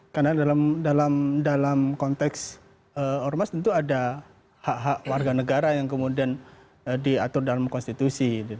karena dalam konteks ormas tentu ada hak hak warga negara yang kemudian diatur dalam konstitusi